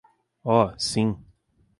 Oh sim.